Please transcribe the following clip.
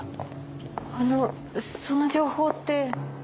あのその情報って。